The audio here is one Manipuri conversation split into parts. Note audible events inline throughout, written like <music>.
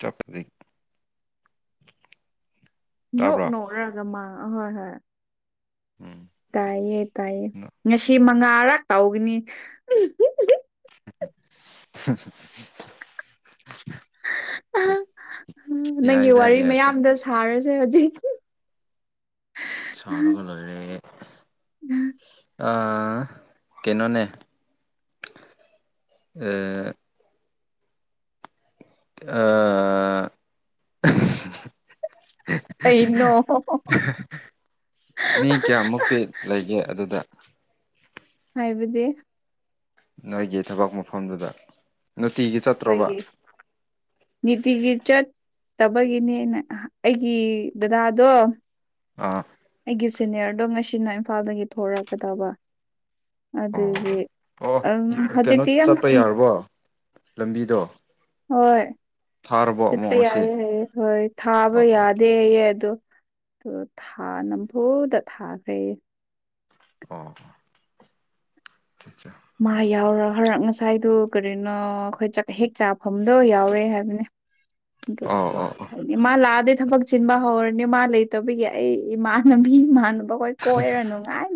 ꯆꯄꯗꯤ <inaudible> ꯅꯣꯛ ꯅꯣꯛꯔꯒ ꯃꯥ ꯍꯣꯏ ꯍꯣꯏ ꯎꯝ ꯇꯥꯏꯌꯦ ꯇꯥꯏꯌꯦ ꯉꯁꯤ ꯃꯉꯥꯔꯥꯛ ꯇꯧꯒꯅꯤ <unintelligible> <unintelligible> ꯅꯪꯒꯤ ꯌꯥꯏꯗ ꯋꯥꯔꯤ ꯌꯥꯏꯗ ꯃꯌꯥꯝꯗ ꯁꯥꯔꯁꯦ ꯍꯧꯖꯤꯛ ꯁꯣꯔꯒ ꯂꯣꯏꯔꯦ <unintelligible> ꯑꯥ ꯀꯩꯅꯣꯅꯦ ꯑꯦ ꯑꯥ <unintelligible> ꯀꯩꯅꯣ ꯃꯤ ꯀꯌꯥ ꯃꯨꯛꯇꯤ ꯂꯩꯒꯦ ꯑꯗꯨꯗ ꯍꯥꯏꯕꯗꯤ ꯅꯣꯏꯒꯤ ꯊꯕꯛ ꯃꯐꯝꯗꯨꯗ ꯅꯨꯡꯇꯤꯒꯤ ꯆꯠꯇ꯭ꯔꯣꯕ ꯑꯩꯈꯣꯏꯒꯤ ꯅꯤꯇꯤꯒꯤ ꯆꯠꯇꯕꯒꯤꯅꯤꯅ ꯑꯩꯒꯤ ꯗꯗꯥꯗꯣ ꯑꯥ ꯑꯩꯒꯤ ꯁꯦꯅꯤꯌꯔꯗꯣ ꯉꯁꯤꯅ ꯏꯝꯐꯥꯜꯗꯒꯤ ꯊꯣꯛꯂꯛꯀꯗꯕ ꯑꯣ ꯑꯗꯨꯗ꯭ꯒꯤ ꯑꯣ ꯑ ꯀꯩꯅꯣ ꯍꯧꯖꯤꯛꯇꯤ ꯌꯥꯝ ꯆꯠꯄ ꯆꯤꯡ ꯌꯥꯔꯕꯣ ꯂꯝꯕꯤꯗꯣ ꯊꯥꯔꯕꯣ ꯑꯃꯨꯛ ꯆꯄ ꯉꯁꯤ ꯌꯥꯏ ꯍꯥꯏꯌꯦ ꯍꯣꯏ ꯊꯥꯕ ꯑꯣ ꯌꯥ ꯗꯦꯌꯦ ꯑꯗꯣ ꯗꯨ ꯊꯥ ꯅꯝꯐꯨꯗ ꯊꯥꯈ꯭ꯔꯦꯌꯦ ꯑꯣ <unintelligible> ꯃꯥ ꯌꯥꯎꯔ ꯍꯔꯛ ꯉꯁꯥꯏꯗꯨ ꯀꯔꯤꯅꯣ ꯑꯈꯣꯏ ꯆꯥꯛ ꯍꯦꯛ ꯆꯥꯐꯝꯗꯣ ꯌꯥꯎꯔꯦ ꯍꯥꯏꯕꯅꯦ ꯑꯗꯨ ꯑꯣ ꯑꯣ ꯂꯥꯛ ꯑꯣ ꯑꯣ ꯃꯥ ꯂꯥꯛꯑꯗꯤ ꯊꯕꯛ ꯁꯤꯟꯕ ꯍꯧꯔꯅꯤ ꯃꯥ ꯂꯩꯇꯕꯤꯒꯤ ꯑꯩ ꯏꯃꯥꯟꯅꯕꯤ ꯏꯃꯥꯟꯅꯕꯈꯣꯏ ꯀꯣꯏꯔ ꯅꯨꯉꯥꯏ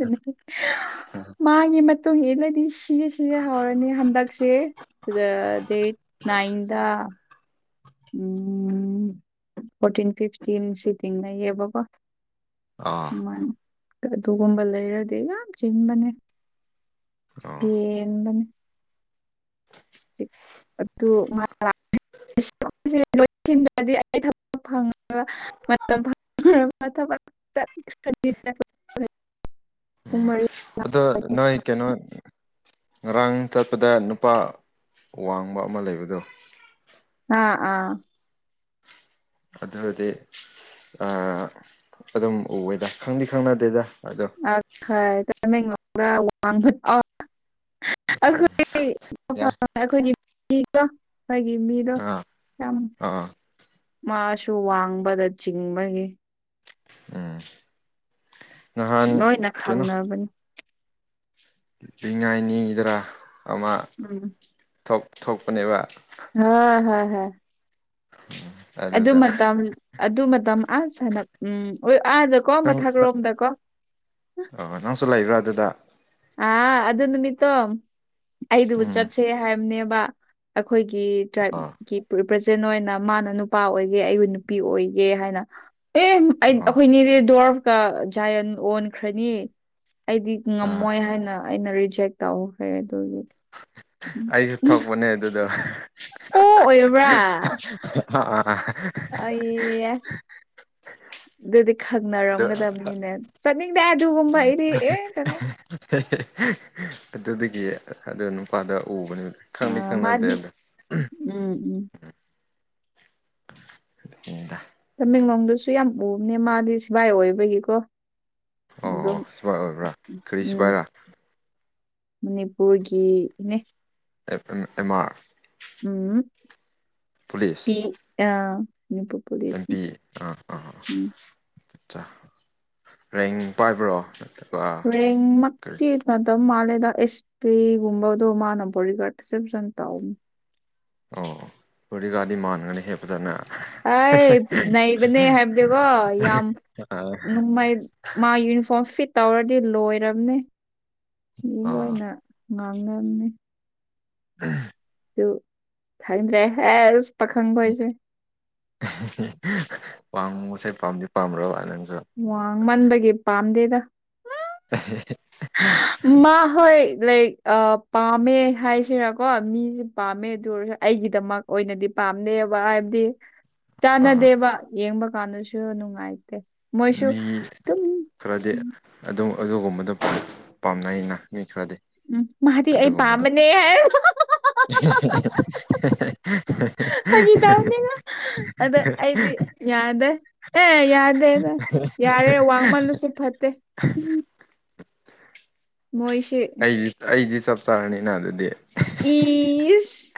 ꯃꯥꯒꯤ ꯃꯇꯨꯡ ꯏꯜꯂꯗꯤ ꯁꯤꯒꯦ ꯁꯤꯒꯦ ꯍꯧꯔꯅꯤ ꯍꯟꯗꯛꯁꯦ ꯗꯦꯠ ꯅꯥꯏꯟꯗ ꯎꯝ ꯐꯣꯔꯇꯤꯟ ꯐꯤꯐꯇꯤꯟ ꯁꯤꯇꯤꯡ ꯂꯩꯌꯦꯕꯀꯣ ꯑ ꯑꯗꯨꯃꯥꯢ ꯑꯗꯨꯒꯨꯝꯕ ꯂꯩꯔꯗꯤ ꯌꯥꯝ ꯆꯤꯟꯕꯅꯦ ꯑꯣ ꯄꯦꯟꯕꯅꯤ <unintelligible> ꯐ ꯃꯇꯝ ꯐꯪꯕ ꯊꯕꯛ ꯆꯠꯈꯔꯗꯤ <unintelligible> ꯄꯨꯡ ꯎꯝ ꯃꯔꯤ ꯑꯗꯣ ꯅꯣꯏ ꯀꯩꯅꯣ ꯉꯔꯥꯡ ꯆꯠꯄꯗ ꯅꯨꯄꯥ ꯋꯥꯡꯕ ꯑꯃ ꯂꯩꯕꯗꯣ ꯑꯥ ꯑꯥ ꯑꯗꯨꯗꯤ ꯑꯗꯨꯝ ꯎꯋꯦꯗ ꯈꯪꯗꯤ ꯈꯪꯅꯗꯦꯗ ꯑꯗꯣ ꯑꯈꯣꯏ ꯇꯥꯏꯃꯦꯡꯗ ꯋꯥꯡꯕ <unintelligible> ꯑꯩꯈꯣꯏ ꯌꯥꯏ ꯑꯩꯈꯣꯏꯒꯤ ꯃꯤꯗꯣ ꯑꯩꯈꯣꯏꯒꯤ ꯃꯤꯗꯣ ꯑꯥ <unintelligible> ꯌꯥꯝ ꯑꯥ ꯃꯥꯁꯨ ꯋꯥꯡꯕꯗ ꯆꯤꯡꯕꯒꯤ ꯎꯝ ꯅꯍꯥꯟ ꯂꯣꯏꯅ ꯈꯪꯅꯕꯅꯤ ꯅꯤꯡꯉꯥꯏꯅꯤꯗꯅ ꯑꯃ ꯎꯝ ꯊꯣꯛ ꯊꯣꯛꯄꯅꯦꯕ ꯑꯥ ꯍꯣꯏ ꯍꯣꯏ <unintelligible> <unintelligible> ꯑꯗꯨ ꯃꯇꯝ ꯑꯗꯨ ꯃꯇꯝ ꯑꯥ ꯁꯥꯅ ꯎꯝ ꯑꯥꯗꯀꯣ ꯅꯪ ꯃꯊꯛꯔꯣꯝꯗꯀꯣ ꯅꯪꯁꯨ ꯂꯩꯕ꯭ꯔꯥ ꯑꯗꯨꯗ ꯑ ꯑꯗꯨ ꯅꯨꯃꯤꯠꯇꯣ ꯑꯩꯗꯨꯕꯨ ꯎꯝ ꯆꯠ ꯁꯦ ꯍꯥꯏꯕꯅꯦꯕ ꯑꯩꯈꯣꯏꯒꯤ ꯑꯣ ꯇ꯭ꯔꯥꯏꯕꯀꯤ ꯔꯤꯄ꯭ꯔꯖꯦꯟ ꯑꯣꯏꯅ ꯃꯥꯅ ꯅꯨꯄꯥ ꯑꯣꯏꯒꯦ ꯑꯩꯕꯨ ꯅꯨꯄꯤ ꯑꯣꯏꯒꯦ ꯍꯥꯏꯅ ꯑꯦ ꯑꯩ ꯑꯣ ꯑꯩꯈꯣꯏꯅꯤꯗꯤ ꯗꯣꯔꯐꯀ ꯖꯥꯏꯟ ꯑꯣꯟꯈ꯭ꯔꯅꯤ ꯑꯩꯗꯤ ꯉꯝ ꯑꯥ ꯑꯩꯅ ꯔꯤꯖꯦꯛ ꯇꯧꯈ꯭ꯔꯦ ꯑꯗꯨꯒꯤ ꯑꯩꯁꯨ ꯊꯣꯛꯄꯅꯦ ꯑꯗꯨꯗꯣ ꯑꯣ ꯑꯣꯏꯕ꯭ꯔꯥ ꯑꯥ ꯑꯩ ꯑꯦ ꯑꯗꯨꯗꯤ ꯑꯗꯨ ꯈꯪꯅꯔꯝꯒꯗꯕꯅꯤꯅꯦ ꯆꯅꯤꯡꯗꯦꯍꯦ ꯑꯗꯨꯒꯨꯝꯕ ꯎꯝ ꯑꯦ ꯑꯗꯨꯗꯒꯤ ꯑꯗꯨ ꯅꯨꯄꯥꯗꯨ ꯎꯕꯅꯤꯅꯦ ꯑ ꯃꯥꯗꯤ ꯎꯝ ꯎꯝ ꯗꯨꯅꯤꯗ ꯇꯃꯦꯡꯂꯣꯝꯗꯁꯨ ꯌꯥꯝ ꯎꯕꯅꯦ ꯃꯥꯗꯤ ꯁꯤꯐꯥꯏ ꯑꯣꯏꯕꯒꯤꯀꯣ ꯑꯣ ꯑꯣ ꯑꯗꯨꯝ ꯁꯤꯐꯥꯏ ꯑꯣꯏꯕ꯭ꯔꯥ ꯀꯔꯤ ꯎꯝ ꯁꯤꯐꯥꯏꯔꯥ ꯃꯅꯤꯄꯨꯔꯒꯤꯅꯦ ꯑꯦꯝ ꯑꯥꯔ ꯎꯝ ꯄꯤ ꯑ ꯄꯨꯂꯤꯁꯅꯤ ꯍꯤꯢꯗꯤ ꯎꯝ ꯑꯥꯆꯥ ꯔꯦꯡ ꯄꯥꯏꯕ꯭ꯔꯣ ꯅꯠꯇ꯭ꯔꯒ ꯔꯦꯡꯃꯛ ꯀꯔꯤ ꯇꯤ ꯄꯥꯏꯗꯝ ꯃꯥꯜꯂꯦꯗ ꯑꯦꯁ ꯄꯤꯒꯨꯝꯕꯗꯣ ꯃꯥꯅ ꯕꯣꯗꯤꯒꯥꯔꯠ ꯏꯆꯝ ꯆꯝꯅꯥ ꯇꯧꯕꯅꯦ ꯑꯣ ꯕꯣꯗꯤ ꯒꯥꯔꯠꯗꯤ ꯃꯥꯟꯕꯅꯤꯍꯦ ꯐꯖꯅ ꯑꯦ ꯅꯩꯕꯅꯦ ꯍꯥꯏꯕꯗꯤꯀꯣ ꯌꯥꯝ ꯑꯥ ꯅꯣꯡꯃꯩ ꯃꯥ ꯌꯨꯅꯤꯐꯣꯔꯝ ꯐꯤꯠ ꯇꯧꯔꯗꯤ ꯂꯣꯏꯔꯝꯅꯤ ꯃꯤ ꯑꯥ ꯂꯣꯏꯅ ꯉꯥꯡꯅꯕꯅꯤ ꯎꯝ ꯑꯗꯨ ꯈꯪꯗ꯭ꯔꯦ ꯍꯩꯁ ꯄꯥꯈꯪ ꯈꯣꯏꯁꯦ ꯋꯥꯡꯕꯁꯦ ꯄꯥꯝꯗꯤ ꯄꯥꯝꯝꯕ꯭ꯔꯣꯕ ꯅꯪꯁꯨ ꯋꯥꯡꯃꯟꯕꯒꯤ ꯄꯥꯝꯗꯦꯗ ꯃꯥ ꯍꯣꯏ ꯂꯥꯏꯛ ꯑ ꯄꯥꯝꯃꯦ ꯍꯥꯏꯁꯤꯔꯀꯣ ꯃꯤꯁꯦ ꯄꯥꯝꯃꯦ ꯑꯗꯨ ꯑꯣꯏꯔꯁꯨ ꯑꯩꯒꯤꯗꯃꯛ ꯑꯣꯏꯗꯗꯤ ꯄꯥꯝꯗꯦꯕ ꯍꯥꯏꯕꯗꯤ ꯑꯥ ꯆꯥꯟꯅꯗꯦꯕ ꯌꯦꯡꯕ ꯀꯥꯟꯗꯁꯨ ꯅꯨꯡꯉꯥꯏꯇꯦ ꯃꯣꯏꯁꯨ ꯗꯨꯝ ꯑꯗꯣ ꯑꯗꯨꯒꯨꯝꯕꯗꯣ ꯄꯥꯝꯅꯩꯩꯅ ꯃꯤ ꯈꯔꯗꯤ ꯎꯝ ꯃꯥꯗꯤ ꯑꯩ ꯑꯗꯨꯒꯨꯝꯕꯗꯣ ꯄꯥꯝꯕꯅꯤꯍꯦ ꯐꯥꯒꯤ ꯇꯧꯕꯅꯦ ꯑꯗ ꯑꯩꯗꯤ <unintelligible> ꯌꯥꯗꯦ ꯑꯦ ꯌꯥꯗꯦꯗ ꯌꯥꯔꯦ ꯋꯥꯡꯃꯜꯂꯁꯨ ꯐꯠꯇꯦ <unintelligible> ꯃꯣꯏꯁꯦ ꯑꯩꯗꯤ ꯑꯩꯗꯤ ꯆꯞ ꯆꯥꯔꯅꯤꯅ ꯑꯗꯨꯗꯤ ꯏꯁ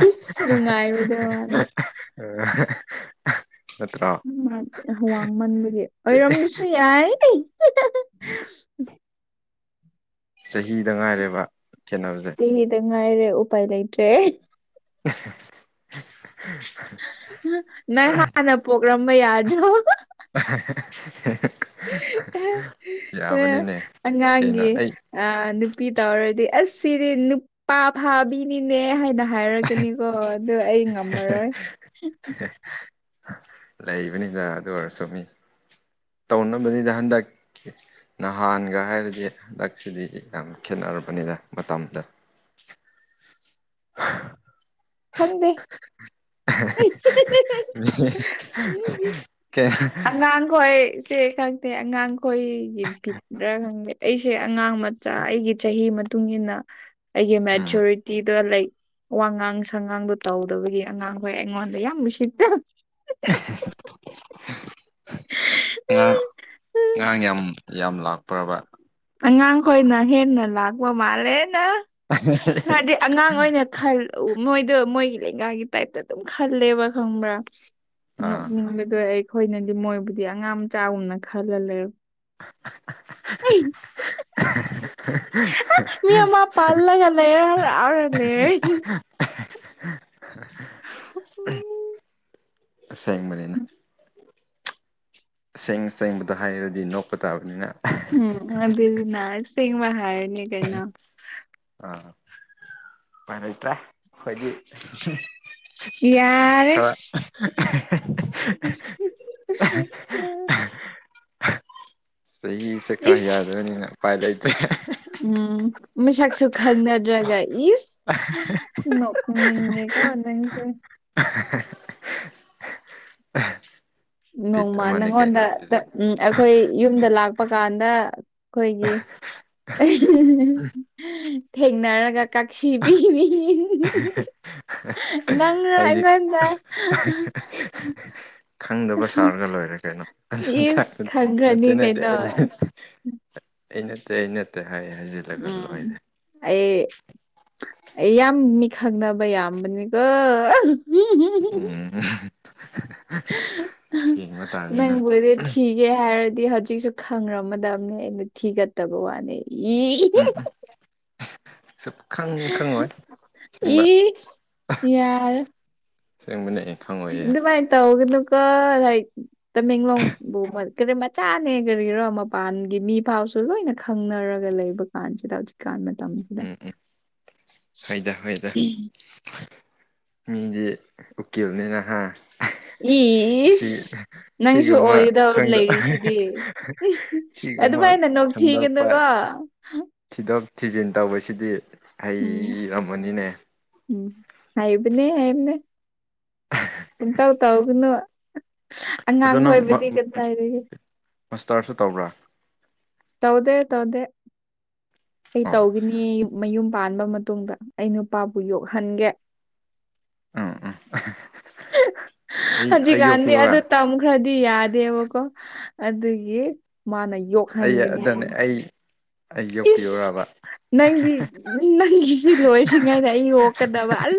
ꯏꯁ ꯅꯨꯡꯉꯥꯏꯕꯗꯣ ꯃꯥꯅ ꯑꯣ ꯎ ꯃꯥ ꯍꯨꯋꯥꯡꯃꯟꯕꯒꯤ ꯆꯦ ꯑꯣꯏꯔꯝꯕꯁꯨ ꯌꯥꯏ ꯆꯍꯤꯗ ꯉꯥꯏꯔꯦꯕ ꯈꯦꯅꯕꯁꯦ ꯁꯤꯗ ꯉꯥꯏꯔꯦ ꯎꯄꯥꯏ ꯂꯩꯇ꯭ꯔꯦ <unintelligible> ꯅꯪ ꯍꯥꯟꯅ ꯄꯣꯛꯂꯝꯝꯕ ꯌꯥꯗ꯭ꯔꯣ ꯌꯥꯕꯅꯤꯅꯦ ꯀꯩꯅꯣ ꯑꯉꯥꯡꯒꯤ ꯑꯩ ꯑ ꯅꯨꯄꯤ ꯇꯧꯔꯗꯤ ꯑꯁ ꯁꯤꯗꯤ ꯅꯨꯄꯥ ꯐꯥꯕꯤꯅꯤꯅꯦ ꯍꯥꯏꯅ ꯍꯥꯏꯔꯒꯅꯤ꯫ ꯑꯣ ꯑꯗꯨ ꯑꯩ ꯉꯝꯃꯔꯣꯏ ꯍ ꯂꯩꯕꯅꯤꯗ ꯑꯗꯨ ꯑꯣꯏꯔꯁꯨꯨ ꯃꯤ ꯇꯧꯅꯕꯅꯤꯗ ꯍꯟꯗꯛꯀꯤ ꯅꯍꯥꯟꯒ ꯍꯥꯏꯔꯗꯤ ꯍꯟꯗꯛꯁꯤꯗꯤ ꯌꯥꯝ ꯈꯦꯠꯅꯔꯕꯅꯤꯅ ꯃꯇꯝꯗ ꯐꯪꯗꯦ ꯑꯉꯥꯡꯣꯏ ꯏꯆꯦ ꯈꯪꯗꯦ ꯑꯉꯥꯡꯈꯣꯏꯒꯤꯕꯤꯤꯗ꯭ꯔꯥ ꯈꯪꯗꯦ ꯑꯩꯁꯦ ꯑꯉꯥꯡ ꯃꯆꯥ ꯑꯩꯒꯤ ꯆꯍꯤ ꯃꯇꯨꯡꯏꯟꯅ ꯑꯩꯒꯤ ꯎꯝ ꯃꯦꯆꯨꯔꯤꯇꯤꯗ ꯂꯩ꯫ ꯋꯥꯉꯥꯡ ꯁꯪꯉꯥꯡꯗꯣ ꯇꯧꯗꯕꯒꯤ ꯑꯉꯥꯡꯈꯣꯏ ꯑꯩꯉꯣꯟꯗ ꯌꯥꯝ ꯅꯨꯡꯁꯤ ꯑꯉꯥꯡ ꯉꯥꯡ ꯌꯥꯝ ꯌꯥꯝ ꯂꯥꯛꯄ꯭ꯔꯕ ꯑꯉꯥꯡ ꯈꯣꯏꯅ ꯍꯦꯟꯅ ꯂꯥꯛꯄ ꯃꯥꯜꯂꯦꯅ ꯍꯥꯏꯗꯤ ꯑꯉꯥꯡ ꯑꯣꯏꯅ ꯈꯜ ꯎ ꯃꯣꯏꯗ ꯃꯣꯏꯒꯤ ꯂꯩꯀꯥꯏꯒꯤ ꯇꯥꯏꯞ ꯑꯗꯨꯝ ꯈꯜꯂꯦꯕ ꯈꯪꯕ꯭ꯔꯥ꯫ ꯑꯥ ꯅꯣꯛꯅꯤꯡꯕꯗꯣ ꯑꯩꯈꯣꯏꯅꯗꯤ ꯃꯣꯏꯕꯨꯗꯤ ꯑꯉꯥꯡꯝ ꯆꯥꯒꯨꯝꯅ ꯈꯜꯂ ꯂꯩꯔ ꯃꯥ ꯄꯜꯂꯒ ꯂꯦꯌꯦꯔ ꯑꯜ ꯂꯩꯔꯦ꯫ ꯎꯝ ꯑꯁꯦꯡꯕꯅꯦꯅ ꯑꯁꯦꯡ ꯆꯪꯕꯗ ꯍꯥꯏꯔꯗꯤ ꯅꯣꯛꯄ ꯇꯥꯕꯅꯤꯅ ꯎꯝ ꯑꯗꯨꯗꯤꯅꯥ ꯁꯁꯤꯡꯕ ꯍꯥꯏꯅꯤ ꯀꯩꯅꯣ ꯑꯥ ꯎꯄꯥꯏꯂꯩꯇ꯭ꯔꯦ ꯑꯈꯣꯏꯗꯤ꯫ ꯌꯥꯔꯦ ꯈꯔ ꯎ ꯆꯍꯤꯁꯦ ꯈꯔ ꯏꯁ ꯌꯥꯗꯕꯅꯤꯅ ꯎꯄꯥꯏ ꯂꯩꯇ꯭ꯔꯦ꯫ ꯎꯝ ꯃꯤꯁꯥꯥꯛꯁꯨ ꯈꯪꯅꯗ꯭ꯔꯒ ꯏꯁ <unintelligible> ꯅꯣꯛꯅꯤꯡꯉꯦꯀꯣ ꯅꯪꯁꯦ ꯕꯤꯠ ꯅꯣꯡꯃ ꯑꯃꯅꯤ ꯀꯩꯅꯣ ꯅꯪꯉꯣꯟꯗ ꯁꯤꯗ ꯎꯝ ꯑꯩꯈꯣꯏ ꯌꯨꯝꯗ ꯂꯥꯛꯄ ꯀꯥꯟꯗ ꯑꯩꯈꯣꯏꯒꯤ ꯊꯦꯡꯅꯔꯒ ꯀꯛꯁꯤ ꯄꯤꯕꯤ ꯅꯪꯔ ꯑꯩꯗꯤ ꯑꯩꯉꯣꯟꯗ ꯈꯪꯗꯕ ꯁꯥꯔꯒ ꯂꯣꯏꯔꯦ ꯀꯩꯅꯣ ꯏꯁ ꯑꯗꯨꯝꯀꯟꯗꯗꯤ ꯅꯠꯇꯦ ꯈꯪꯈ꯭ꯔꯅꯤ ꯅꯠꯇꯦ ꯀꯩꯅꯣ ꯑꯩ꯫ ꯑꯩ ꯅꯠꯇꯦ ꯑ ꯅꯠꯇꯦ ꯍꯥꯏ ꯍꯥꯏꯖꯤꯜꯂꯒ ꯂꯣꯏꯔꯦ ꯎꯝ ꯑꯩ ꯑꯩ ꯌꯥꯝ ꯃꯤ ꯈꯪꯅꯕ ꯌꯥꯝꯕꯅꯤꯀꯣ ꯎꯝ ꯌꯦꯡꯕ ꯇꯥꯔꯦꯅ ꯅꯪꯕꯨꯏꯔꯦ ꯊꯤꯒꯦ ꯍꯥꯏꯔꯗꯤ ꯍꯧꯖꯤꯛꯁꯨ ꯈꯪꯔꯝꯃꯗꯕꯅꯦ ꯑꯩꯅ ꯊꯤꯒꯠꯇꯕ ꯋꯥꯅꯦ ꯏ꯫ <inaudible> ꯁꯨꯛꯈꯪ ꯈꯪꯉꯣꯏ ꯑꯁꯦꯡꯕ ꯏ ꯌꯥꯔ ꯁꯦꯡꯕꯅꯦꯍꯦ ꯈꯪꯉꯨ ꯗꯨꯃꯥꯏ ꯇꯧꯒꯅꯨꯀꯣ ꯂꯥꯛ ꯇꯃꯦꯡꯂꯣꯡꯕꯨ ꯀ ꯃꯆꯥꯅꯦ ꯀꯔꯤꯔꯣ ꯃꯄꯥꯟꯒꯤ ꯃꯤ ꯐꯥꯎꯁꯨ ꯂꯣꯏꯅ ꯈꯪꯅꯔꯒ ꯂꯩꯕ ꯀꯥꯟꯁꯤꯗ ꯍꯧꯖꯤ ꯀꯥꯟ ꯃ ꯇꯝꯁꯤꯗ ꯎꯝ ꯎꯝ ꯍꯣꯏꯗ ꯍꯣꯏꯗ ꯃꯤꯗꯤ ꯎꯀꯤꯜꯅꯤꯅ ꯍꯥꯥ ꯁꯤ ꯏꯁ ꯅꯪꯁꯨ ꯁꯤꯒꯨꯝꯕ ꯑꯣꯏꯒꯗꯕ ꯈꯪꯗ ꯂꯩꯔꯤꯁꯤꯗꯤ ꯁꯤꯒꯨꯝꯕ ꯑꯗꯨꯃꯥꯏꯅ ꯁꯟꯗꯣꯛꯄ ꯅꯣꯛꯊꯤꯒꯅꯨꯀꯣ ꯊꯤꯗꯣꯛ ꯊꯤꯖꯤꯟ ꯇꯧꯕꯁꯤꯗꯤ ꯎꯝ ꯍꯩꯔꯝꯃꯅꯤꯅꯦ ꯎꯝ ꯍꯥꯏꯕꯅꯦ ꯍꯥꯏꯕꯅꯦ ꯄꯨꯡꯇꯧ ꯇꯧꯒꯅꯨ ꯑꯉꯥꯡꯈꯣꯏꯕꯗꯤ ꯀꯇꯥꯏꯇꯥꯒꯤ ꯃꯁꯇꯔꯁꯨ ꯇꯧꯕ꯭ꯔꯥ ꯇꯧꯗꯦ ꯇꯧꯗꯦ ꯑꯩ ꯑꯣ ꯇꯧꯈꯤꯅꯤ ꯃꯌꯨꯝ ꯄꯥꯟꯕ ꯃꯇꯨꯡꯗ ꯑꯩ ꯅꯨꯄꯥꯕꯨ ꯌꯣꯛꯍꯟꯒꯦ ꯎꯝ ꯎꯝ ꯑꯩ ꯑꯩ ꯍꯧꯖꯤꯛꯀꯥꯟꯗꯤ ꯌꯣꯛꯄꯤꯌꯨꯔꯥ ꯑꯗꯨ ꯇꯝ ꯈꯔꯗꯤ ꯌꯥꯗꯦꯕꯀꯣ ꯑꯗꯨꯒꯤ ꯃꯥꯅ ꯑꯩ ꯌꯣꯛꯍꯟꯒꯅꯤ ꯑꯗꯨꯅꯦ ꯍꯌꯦꯡ꯫ ꯑꯩ ꯑꯩ ꯌꯣꯛꯄꯤꯌꯨꯔꯕ ꯅꯪꯗꯤ ꯅꯪꯒꯤꯁꯤ ꯂꯣꯏꯗ꯭ꯔꯤꯉꯩꯗ ꯑꯩ ꯌꯣꯛꯀꯗꯕ ꯑꯜ꯫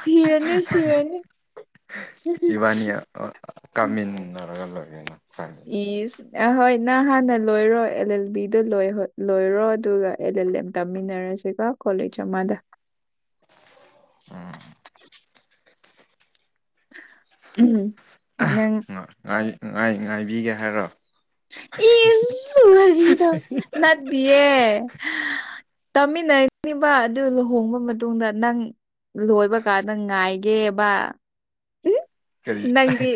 ꯁꯤꯔꯅꯤ ꯁꯤꯔꯅꯤ ꯏꯕꯥꯅꯤ ꯀꯥꯃꯤꯟꯅꯔꯒ ꯂꯣꯏꯒꯦꯅ ꯏꯁ ꯑꯍꯣꯏ ꯅꯪꯍꯥꯟꯅ ꯂꯣꯏꯔꯣ ꯑꯦꯜ ꯑꯦꯜ ꯕꯤꯗ ꯂꯣꯏꯍꯣꯏ ꯂꯣꯏꯔꯣ ꯑꯗꯨꯒ ꯑꯦꯜ ꯑꯦꯜ ꯑꯦꯝ ꯇꯝꯃꯤꯟꯅꯔꯁꯤꯀꯣ ꯀꯣꯂꯦꯖ ꯑꯃꯗ꯫ ꯎꯝ ꯎꯝ ꯅꯪ ꯉꯥꯏ ꯉꯥꯏ ꯉꯥꯏꯕꯤꯒꯦ ꯍꯥꯏꯔꯣ ꯏꯁ ꯋꯔꯤꯗꯣ ꯅꯠ ꯇꯤꯌꯦ ꯇꯥꯃꯤꯟꯅꯅꯤꯕ ꯑꯗꯨ ꯂꯨꯍꯣꯡꯕ ꯃꯇꯨꯡꯗ ꯅꯪ ꯂꯣꯏꯕꯀꯥꯟꯗ ꯉꯥꯏꯒꯦꯕ ꯀꯔꯤ ꯅꯪꯒꯤ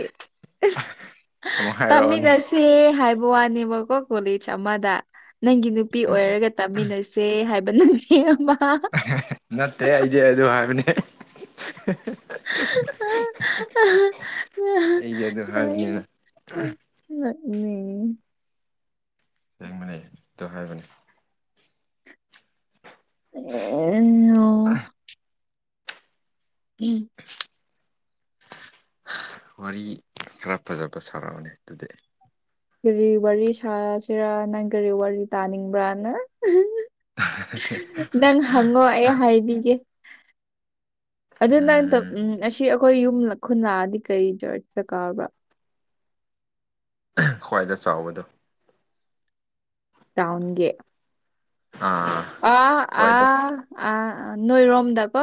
ꯑꯃꯨꯛ ꯍꯥꯏꯔꯛꯑꯣꯅꯦ ꯇꯝꯃꯤꯟꯅꯁꯦ ꯍꯥꯏ ꯋꯥꯅꯦꯕꯀꯣ ꯀꯣꯂꯦꯖ ꯑꯃꯗ ꯅꯪꯒꯤ ꯅꯨꯄꯤ ꯎꯝ ꯑꯣꯏꯔꯒ ꯇꯝꯃꯤꯟꯅꯁꯦ ꯍꯥꯏꯕ ꯅꯪ ꯍꯦꯕ ꯅꯠꯇꯦ ꯑꯩꯗꯤ ꯑꯗꯨ ꯍꯥꯏꯕꯅꯦ ꯑꯩꯗꯤ ꯑꯗꯨꯝ ꯍꯥꯏꯕꯅꯤꯅ ꯅꯠꯅꯦ ꯁꯦꯡꯕꯅꯦ ꯑꯗꯨ ꯍꯥꯏꯕꯅꯦ <unintelligible> ꯎꯝ ꯋꯥꯔꯤ ꯈꯔ ꯐꯖꯕ ꯁꯔꯛꯑꯣꯅꯦ ꯑꯗꯨꯗꯤ꯫ ꯀꯔꯤ ꯋꯥꯔꯤ ꯁꯥꯁꯤꯔꯥ ꯅꯪ ꯀꯔꯤ ꯋꯥꯔꯤ ꯇꯥꯅꯤꯡꯕ꯭ꯔꯥꯅ ꯅꯪ ꯍꯪꯉꯣ ꯑꯩ ꯍꯥꯏꯕꯤꯒꯦ꯫ ꯑꯗꯨ ꯅꯪ ꯎꯝ ꯑꯁꯤ ꯑꯩꯈꯣꯏ ꯌꯨꯝ ꯈꯨꯟ ꯂꯛꯑꯗꯤ ꯀꯩ ꯆꯔꯁꯇꯥ ꯀꯥꯕ꯭ꯔꯥ ꯈ꯭ꯋꯥꯏꯗ ꯆꯥꯎꯕꯗꯣ ꯇꯥꯎꯟꯒꯤ ꯑꯥꯥ ꯑ ꯑꯥ ꯑꯥ ꯑ ꯅꯣꯏ ꯔꯣꯝꯗ ꯀꯣ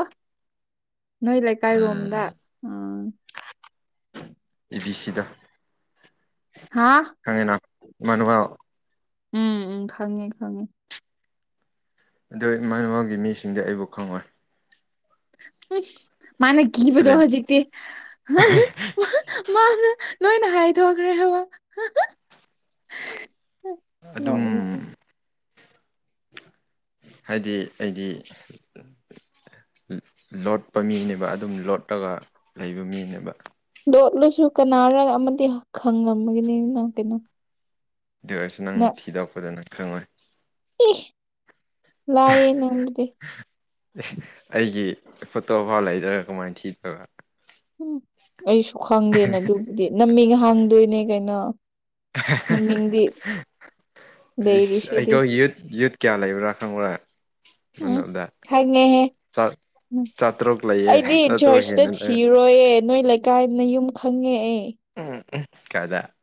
ꯅꯣꯏ ꯂꯩꯀꯥꯏꯔꯣꯝꯗ ꯎꯝ ꯎꯝ ꯑꯦ ꯕꯤ ꯁꯤꯗꯣ ꯍꯥꯥ ꯈꯪꯉꯦꯅ ꯏꯨꯃꯅꯨꯌꯦꯜ ꯎꯝ ꯎꯝ ꯈꯪꯉꯦ ꯈꯪꯉꯦ ꯑꯗꯨ ꯏꯃꯅꯨꯌꯦꯜꯒꯤ ꯃꯤꯁꯤꯡꯗꯤ ꯑꯩꯕꯨ ꯈꯪꯉꯣꯏ꯫ ꯃꯥꯅ ꯀꯤꯕꯗꯣ ꯁꯦꯂꯦꯟ ꯍꯧꯖꯤꯛꯇꯤ ꯃꯥꯅ ꯂꯣꯏꯅ ꯍꯥꯏꯗꯣꯛꯈ꯭ꯔꯦ ꯍꯥꯏꯕ ꯑꯗꯨꯝ ꯅꯣꯛꯅꯤꯡꯉꯦ ꯍꯥꯏꯗꯤ ꯑꯩꯗꯤ ꯂꯣꯠꯄ ꯃꯤꯅꯦꯕ ꯑꯗꯨꯝ ꯂꯣꯠꯂꯒ ꯂꯩꯕ ꯃꯤꯅꯦꯕ ꯗꯣꯠꯂꯨꯁꯨ ꯀꯅꯥꯔ ꯑꯃꯗꯤ ꯈꯪꯉꯝꯃꯒꯅꯤꯅ ꯀꯩꯅꯣ꯫ ꯑꯗꯨꯒꯔꯁꯨ ꯅꯪ ꯊꯤꯗꯣꯔꯔꯛꯄꯗꯅ ꯈꯪꯉꯣꯏ ꯏ ꯂꯥꯏ ꯅꯅꯨꯡꯗꯤꯦ ꯑꯩꯒꯤ ꯐꯣꯇꯣ ꯐꯥꯎ ꯂꯩꯗ꯭ꯔꯒ ꯀꯃꯥꯏꯅ ꯊꯤꯗꯕ ꯎꯝ ꯑꯩꯁꯨ ꯈꯪꯗꯦꯅ ꯑꯗꯨꯕꯨꯗꯤ ꯅꯝꯃꯤꯡ ꯍꯥꯡꯗꯣꯏꯅꯦ ꯀꯩꯅꯣ ꯅꯃꯤꯡꯗꯤ ꯏꯁꯩ ꯂꯩꯔꯤꯁꯤꯗꯤ ꯑꯩꯗꯣ ꯌꯨꯠ ꯌꯨꯠ ꯀꯌꯥ ꯂꯩꯕ꯭ꯔꯥ ꯈꯪꯕ꯭ꯔꯥ ꯎꯝ ꯃꯅꯨꯡꯗ ꯈꯪꯉꯦꯍꯦ ꯆꯥ ꯎꯝ ꯆꯥꯇ꯭ꯔꯨꯛ ꯂꯩꯌꯦ ꯑꯩꯗꯤ ꯆꯥꯇ꯭ꯔꯨꯛ ꯆꯖꯔꯆꯇ ꯍꯦꯟꯅ ꯂꯩ ꯊꯤꯔꯣꯏꯌꯦ ꯅꯣꯏ ꯀꯥꯏꯗꯅ ꯌꯨꯝ ꯈꯪꯉꯦ ꯑꯩ ꯎꯝ ꯀꯗ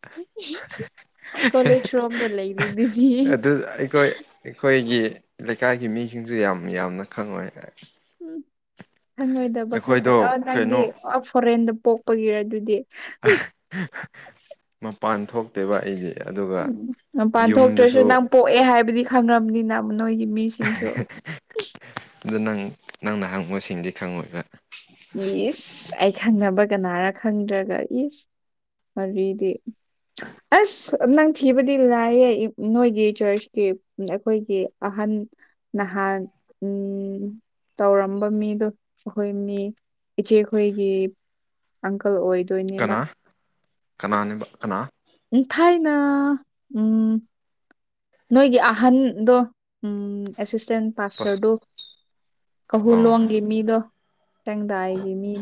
ꯀꯣꯂꯦꯖ ꯐꯣꯝꯗ ꯂꯩꯔꯤꯗꯤ ꯑꯗꯨ ꯑꯩꯈꯣꯏ ꯑꯩꯈꯣꯏꯒꯤ ꯂꯩꯀꯥꯏꯒꯤ ꯃꯤꯁꯤꯡꯁꯨ ꯌꯥꯝ ꯌꯥꯝꯅ ꯈꯪꯉꯣꯏ꯫ ꯎꯝ ꯍꯪꯉꯣꯏꯗꯕ ꯑꯩꯈꯣꯏꯗꯣ ꯈꯛꯇꯗ ꯅꯪꯗꯤ ꯀꯩꯅꯣ ꯐꯣꯔꯦꯟꯗ ꯄꯣꯛꯄꯒꯤꯔ ꯑꯗꯨꯗꯤ ꯃꯄꯥꯟ ꯊꯣꯛꯇꯦꯕ ꯑꯩꯁꯦ ꯎꯝ ꯅꯄꯥꯟ ꯊꯣꯛꯣꯛꯇ꯭ꯔꯁꯨ ꯅꯪ ꯄꯣꯛꯑꯦ ꯍꯥꯏꯕꯗꯤ ꯈꯪꯉꯕꯅꯤꯅ ꯅꯣꯏꯒꯤ ꯃꯤ ꯑꯗꯨ ꯅꯪ ꯅꯪꯅ ꯍꯪꯕꯨꯁꯤꯡꯗꯤ ꯈꯪꯉꯣꯏꯕ ꯌꯦꯁ ꯑꯩ ꯈꯪꯅꯕ ꯀꯅꯥꯔ ꯈꯪꯗ꯭ꯔꯒ ꯌꯦꯁ ꯋꯥꯔꯤꯗꯤ ꯑꯁ ꯅꯪ ꯊꯤꯕꯗꯤ ꯂꯥꯏꯌꯦ ꯅꯣꯏꯒꯤ ꯆꯔꯆꯀꯤ ꯑꯩꯈꯣꯏꯒꯤ ꯑꯍꯟ ꯅꯍꯥꯟ ꯎꯝ ꯇꯧꯔꯝꯕ ꯃꯤꯗꯣ ꯑꯩꯈꯣꯏ ꯃꯤ ꯏꯆꯦꯈꯣꯏꯒꯤ ꯑꯪꯀꯜ ꯑꯣꯏꯗꯣꯏꯅꯦꯕ ꯀꯅꯥꯅꯤꯕ ꯀꯅꯥ ꯎꯝ ꯊꯥꯏꯅ ꯎꯝ ꯅꯣꯏꯒꯤ ꯑꯍꯟꯗꯣ ꯎꯝ ꯑꯦꯁꯤꯁꯇꯦꯟ ꯄꯥꯁꯇꯔꯗꯣ꯫ ꯑꯣ ꯀꯍꯨꯂꯣꯡꯒꯤ ꯃꯤꯗꯣ ꯇꯦꯡꯗꯥꯏꯒꯤ ꯃꯤ꯫